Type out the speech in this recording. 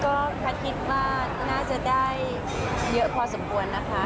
ก็แพทย์คิดว่าน่าจะได้เยอะพอสมควรนะคะ